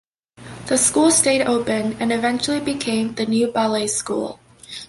The school stayed open and eventually became the New Ballet School.